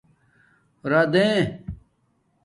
رادنݣ